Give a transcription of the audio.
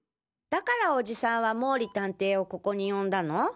だからおじさんは毛利探偵をここに呼んだの？